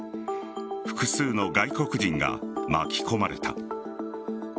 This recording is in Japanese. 複数の外国人が巻き込まれた。